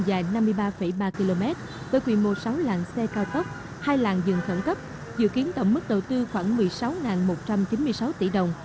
dài năm mươi ba ba km với quy mô sáu làng xe cao tốc hai làng dừng khẩn cấp dự kiến tổng mức đầu tư khoảng một mươi sáu một trăm chín mươi sáu tỷ đồng